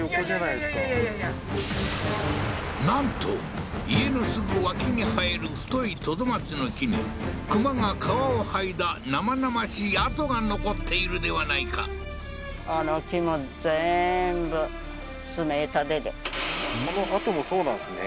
なんと家のすぐ脇に生える太いトドマツの木に熊が皮を剥いだ生々しい跡が残っているではないかこの痕もそうなんですね